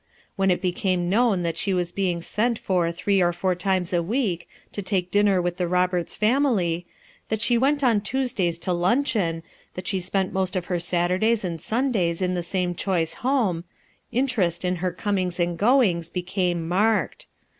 When it became known that she was being sent for three or four times a Meek to take dinner with the Roberts family, that she went on Tuesdays to luncheon , that she spent most of her Saturdays and Sundays in the same choice home, interest in her comings and goings became marked.